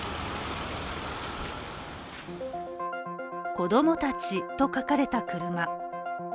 子供たちと書かれた車。